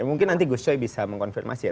mungkin nanti gus choi bisa mengonfirmasi ya